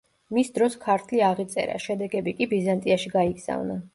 მის დროს ქართლი აღიწერა, შედეგები კი ბიზანტიაში გაიგზავნა.